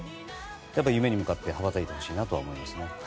夢に向かった羽ばたいてほしいと思いますね。